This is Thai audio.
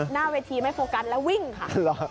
หน้าเวทีไม่โฟกัสแล้ววิ่งค่ะ